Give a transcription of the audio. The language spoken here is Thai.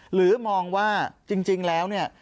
หรือมองว่าจริงแล้วเนี่ย